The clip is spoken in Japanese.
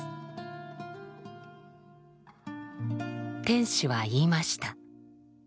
天使は言いました。